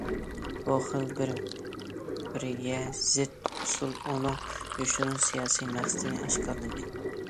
بۇ خىل بىر- بىرىگە زىت ئۇسۇل ئۇنىڭ يوشۇرۇن سىياسىي مەقسىتىنى ئاشكارىلىدى.